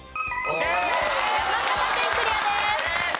山形県クリアです。